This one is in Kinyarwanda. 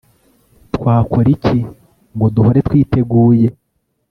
Twakora iki ngo duhore twiteguye